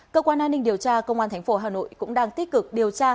cơ quan an ninh điều tra công an tp hà nội cũng đang tích cực điều tra